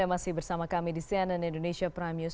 masih bersama kami di cnn indonesia prime news